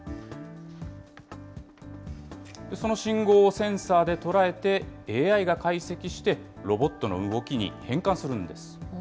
その信号をセンサーで捉えて、ＡＩが解析してロボットの動きに変換するんです。